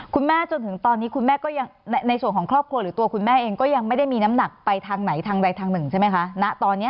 จนถึงตอนนี้คุณแม่ก็ยังในส่วนของครอบครัวหรือตัวคุณแม่เองก็ยังไม่ได้มีน้ำหนักไปทางไหนทางใดทางหนึ่งใช่ไหมคะณตอนนี้